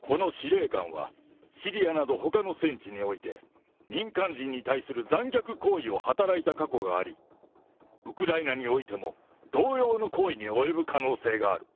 この司令官は、シリアなどほかの戦地において、民間人に対する残虐行為を働いた過去があり、ウクライナにおいても同様の行為に及ぶ可能性がある。